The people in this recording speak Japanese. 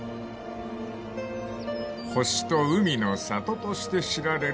［星と海の里として知られるわが浅口市］